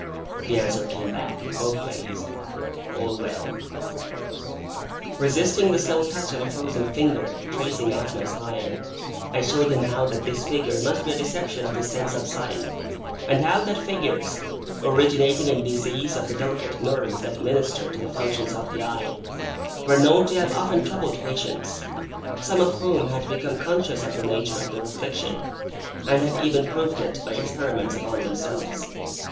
The answer came back, both ways, 'All well.'" Resisting the slow touch of a frozen finger tracing out my spine, I showed him how that this figure must be a deception of his sense of sight; and how that figures, originating in disease of the delicate nerves that minister to the functions of the eye, were known to have often troubled patients, some of whom had become conscious of the nature of their affliction, and had even proved it by experiments upon themselves.